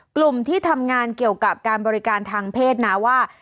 กลุ่มที่ทำงานเกี่ยวกับการบริการทางเพศนะว่า